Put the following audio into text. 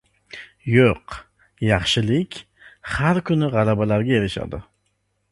Yo‘q, yaxshilik har kuni g‘alabalarga erishadi.